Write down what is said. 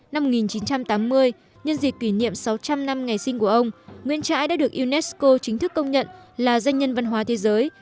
năm một nghìn chín trăm tám mươi nhân dịp kỷ niệm sáu trăm linh năm ngày sinh của ông nguyễn trãi đã được unesco chính thức công nhận là danh nhân văn hóa thế giới